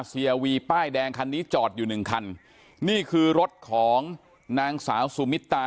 เสียวีป้ายแดงคันนี้จอดอยู่หนึ่งคันนี่คือรถของนางสาวสุมิตา